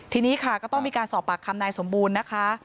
ทีนี้ค่ะก็ต้องมีการสอบปากคำนายสมบูรณ์นะคะ